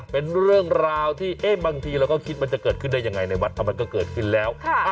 เป็นเรื่องราวที่บางทีเราก็คิดมันจะเกิดขึ้นได้ยังไงในวัดทำไมก็เกิดขึ้นแล้ว